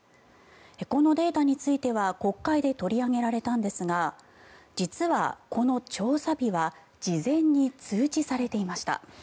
このデータについては国会で取り上げられたんですが実は、この調査日は事前に通知されていました。